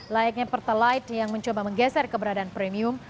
layaknya pertalite yang mencoba menggeser keberadaan premium